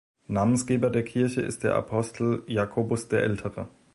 Namensgeber der Kirche ist der Apostel Jakobus der Ältere.